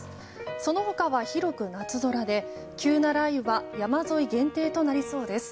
その他は広く夏空で急な雷雨は山沿い限定となりそうです。